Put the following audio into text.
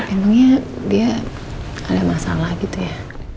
emangnya dia ada masalah gitu ya